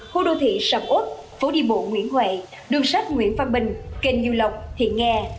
khu đô thị sầm ốt phố đi bộ nguyễn huệ đường sách nguyễn văn bình kênh du lọc thiện nghe